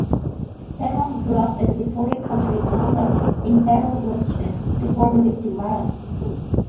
Serong grew up in the Victorian country town of Inverloch before moving to Warragul.